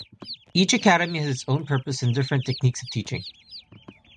Each Academy has its own purpose and different techniques of teaching.